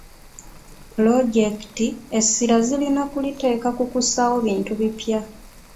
Pulojekiti essirira zirina kuliteeka ku kussaawo bintu bipya.